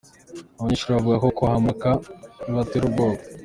Abanyeshuri bavuga ko kuhambuka bibatera ubwoba.